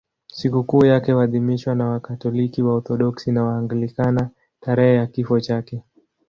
Sikukuu yake huadhimishwa na Wakatoliki, Waorthodoksi na Waanglikana tarehe ya kifo chake.